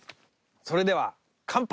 それでは乾杯！